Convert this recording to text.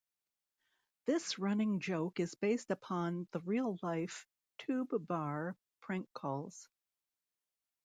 This running joke is based upon the real life Tube Bar prank calls.